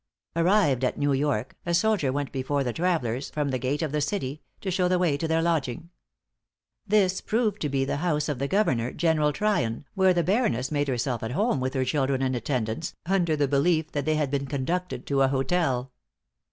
Arrived at New York, a soldier went before the travellers "from the gate of the city," to show the way to their lodging. This proved to be the house of the Governor, General Tryon, where the Baroness made herself at home with her children and attendants, under the belief that they had been conducted to a hotel.